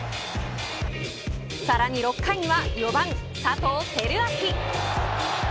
さらに６回には４番佐藤輝明。